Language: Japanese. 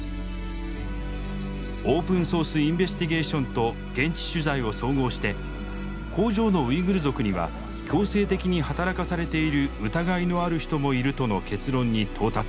オープンソース・インベスティゲーションと現地取材を総合して工場のウイグル族には強制的に働かされている疑いのある人もいるとの結論に到達。